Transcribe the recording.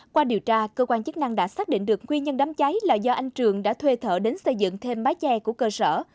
qua điều tra cơ quan chức năng đã xác định được nguyên nhân đám cháy là do anh trường đã thuê thợ đến xây dựng thêm mái che của cơ sở